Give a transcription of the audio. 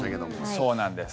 そうなんです。